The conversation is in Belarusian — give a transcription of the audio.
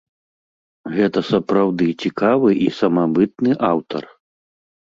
Гэта сапраўды цікавы і самабытны аўтар.